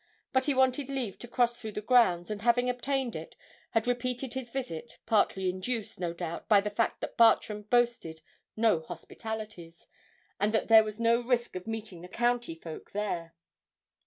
But he wanted leave to cross through the grounds, and having obtained it, had repeated his visit, partly induced, no doubt, by the fact that Bartram boasted no hospitalities, and that there was no risk of meeting the county folk there.